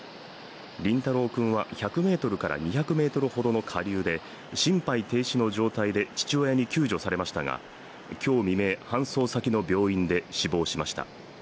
倫太朗君は１００ｍから２００ｍほどの下流で心肺停止の状態で父親に救助されましたが、今日未明、搬送先の病院で死亡しました。